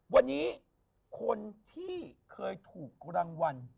วันนี้คนที่เคยถูกรางวัล